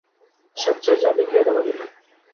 স্বেচ্ছায় জালে গিয়ে ধরা দিলেন।